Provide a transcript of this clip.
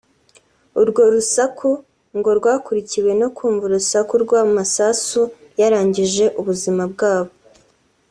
urwo rusaku ngo rwakurikiwe no kumva urusaku rw’amasasu yarangije ubuzima bwabo